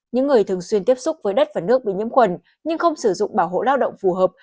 những người thường xuyên tiếp xúc với đất và nước bị nhiễm khuẩn nhưng không sử dụng bảo hộ lao động phù hợp